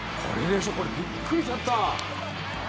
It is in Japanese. これ、びっくりしちゃった。